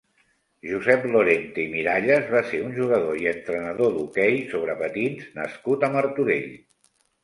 Josep Lorente i Miralles va ser un jugador i entrenador d'hoquei sobre patins nascut a Martorell.